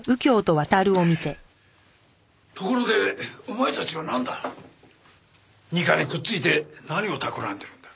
ところでお前たちはなんだ？二課にくっついて何を企んでるんだ？